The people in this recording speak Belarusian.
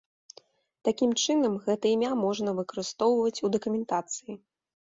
Такім чынам, гэта імя можна выкарыстоўваць у дакументацыі.